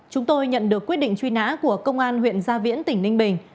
chúng tôi nhận được quyết định truy nã của công an huyện gia viễn tỉnh ninh bình